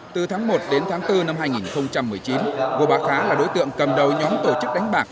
từ tháng một đến tháng bốn năm hai nghìn một mươi chín ngô bá khá là đối tượng cầm đầu nhóm tổ chức đánh bạc